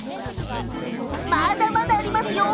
まだまだ、ありますよ。